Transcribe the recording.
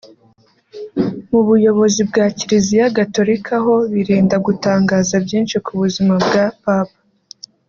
Mu buyobozi bwa Kiliziya Gatolika ho birinda gutangaza byinshi ku buzima bwa Papa